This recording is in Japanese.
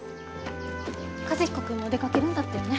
和彦君も出かけるんだったよね？